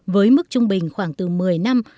với mức trung bình khoảng từ một mươi năm